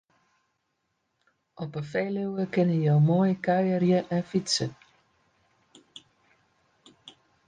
Op 'e Feluwe kinne jo moai kuierje en fytse.